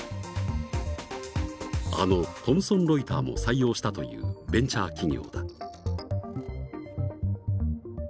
あのトムソン・ロイターも採用したというベンチャー企業だ。